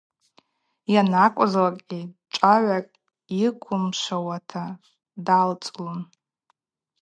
Йанакӏвызлакӏгьи, чӏвагӏвакӏ йыквымшвауата далцӏлун.